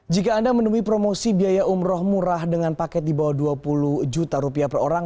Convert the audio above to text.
jika anda menemui promosi biaya umroh murah dengan paket di bawah dua puluh juta rupiah per orang